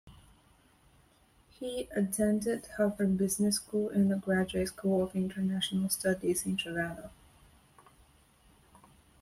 He attended Harvard Business School and the Graduate School of International Studies in Geneva.